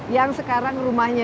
yang sekarang rumahnya